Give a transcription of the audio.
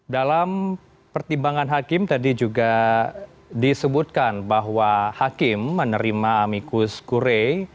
dalam pertimbangan hakim tadi juga disebutkan bahwa hakim menerima amikus kure